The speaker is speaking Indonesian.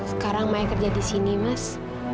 sekarang maya kerja di sini mas